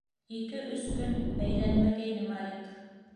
Ике-өс көн бәйләнмәгәйне Малик.